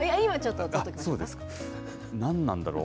なんだろう。